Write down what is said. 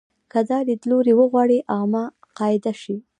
که دا لیدلوری وغواړي عامه قاعده شي.